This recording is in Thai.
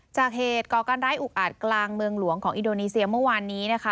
จากเหตุก่อการร้ายอุกอาจกลางเมืองหลวงของอินโดนีเซียเมื่อวานนี้นะคะ